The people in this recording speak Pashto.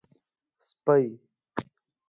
🐕 سپۍ